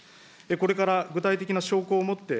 これから具体的な証拠をもって、